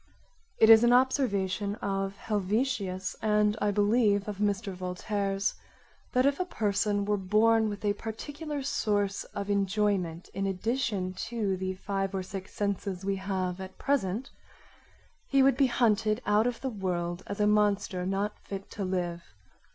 It is an observation of Helvetius and, I believe, of Mr. Voltaire's, that if a person were born with a particular source of enjoyment, in addition to the 5 or 6 senses we have at present, he would be hunted out of the world as a monster not fit to live.